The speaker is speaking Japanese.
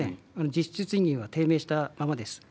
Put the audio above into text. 実質賃金は低迷したままです。